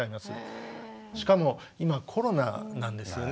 しかも今コロナなんですよね。